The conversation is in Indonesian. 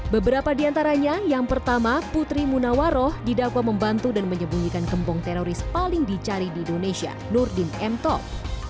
beberapa di antaranya yang pertama putri munawaroh didakwa membantu dan menyembunyikan kembong teroris paling dicari di indonesia nurdin m tok